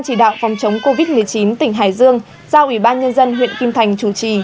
chỉ đạo phòng chống covid một mươi chín tỉnh hải dương do ủy ban nhân dân huyện kim thành chủ trì